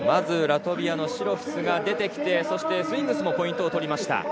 ラトビアのシロフス選手が出てきてスウィングスもポイントを取りました。